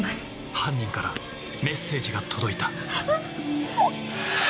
犯人からメッセージが届いたはっ！